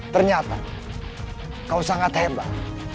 ternyata kau sangat hebat